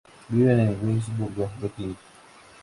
Viven en Williamsburg, Brooklyn.